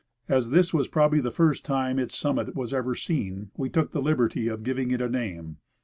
As this was probably the first time its summit was ever seen, we took the liberty of giving it a name.